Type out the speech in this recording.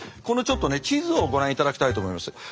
このちょっとね地図をご覧いただきたいと思います。